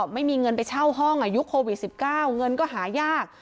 ไม่มีเงินไปเช่าห้องอายุโควิด๑๙เงินก็หายาก